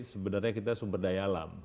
sebenarnya kita sumber daya alam